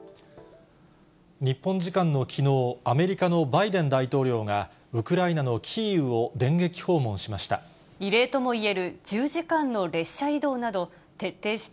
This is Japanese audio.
日本時間のきのう、アメリカのバイデン大統領が、ウクライナのキーウを電撃訪問しました。